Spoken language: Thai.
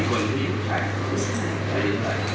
คุณแม่อย่าบอกแบบนี้